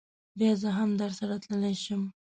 بیا زه هم درسره تللی شم.